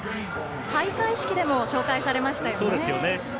開会式でも紹介されましたよね。